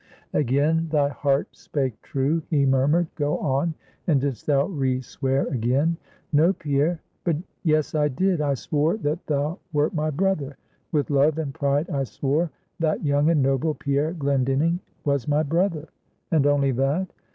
"Again thy heart spake true," he murmured; "go on and didst thou re swear again?" "No, Pierre; but yes, I did. I swore that thou wert my brother; with love and pride I swore, that young and noble Pierre Glendinning was my brother!" "And only that?"